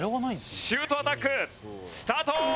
シュートアタックスタート！